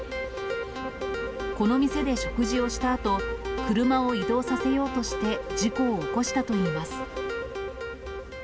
この店で食事をしたあと、車を移動させようとして、事故を起こしたといいます。